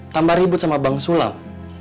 tambah ribut sama bang sulang